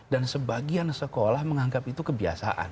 dan sebagian sekolah menganggap itu kebiasaan